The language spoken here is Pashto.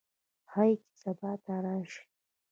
ښايي چې سبا ته راشي